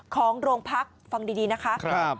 ของโรงพักฟังดีนะคะ